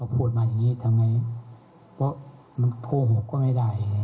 พูดมาอย่างนี้ทำไงเพราะมันโกหกก็ไม่ได้